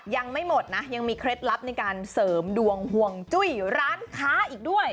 ยังไม่หมดนะยังมีเคล็ดลับในการเสริมดวงห่วงจุ้ยร้านค้าอีกด้วย